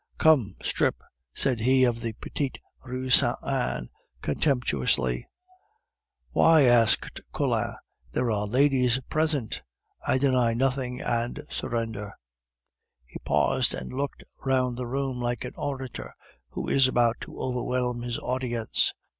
"Come, strip!" said he of the Petite Rue Saint Anne, contemptuously. "Why?" asked Collin. "There are ladies present; I deny nothing, and surrender." He paused, and looked round the room like an orator who is about to overwhelm his audience.